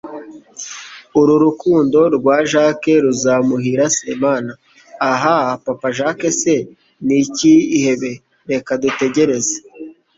ururukundo rwa jack ruzamuhira se mana? ahaaaa! papa jack se, ni ikihebe? reka dutegereze